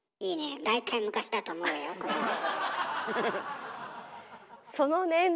大体昔だと思うわよこれは。ほう。